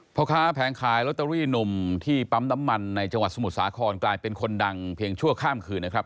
พ่อค้าแผงขายลอตเตอรี่หนุ่มที่ปั๊มน้ำมันในจังหวัดสมุทรสาครกลายเป็นคนดังเพียงชั่วข้ามคืนนะครับ